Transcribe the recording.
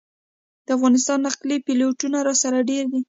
د افغانستان نقلي پلېټونه راسره ډېر دي.